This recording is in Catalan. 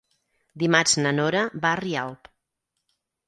Dimarts na Nora va a Rialp.